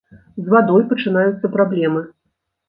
З вадой пачынаюцца праблемы.